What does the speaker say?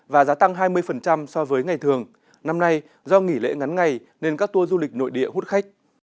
và giá tăng hai mươi so với ngày thường năm nay do nghỉ lễ ngắn ngày nên các tour du lịch nội địa hút khách